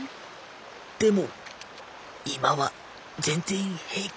でも今は全然平気。